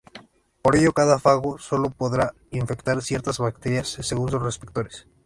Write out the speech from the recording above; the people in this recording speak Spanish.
Por ello, cada fago solo podrá infectar ciertas bacterias según sus receptores.